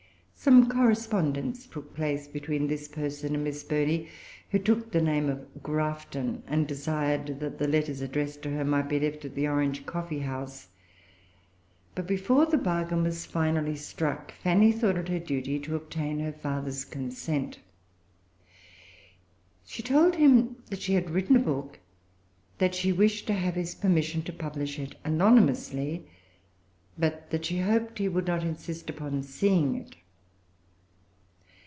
Some correspondence took place between this person and Miss Burney, who took the name of Grafton, and desired that the letters addressed to her might be left at the Orange Coffee House. But, before the bargain was finally struck, Fanny thought it her duty to obtain her father's consent. She told him that she had written a book, that she wished to have his permission to publish it anonymously, but that she hoped that he would not insist upon seeing it.